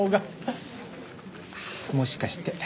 ああもしかして。